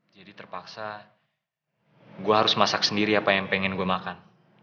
jadi terpaksa gue harus masak sendiri apa yang pengen gue makan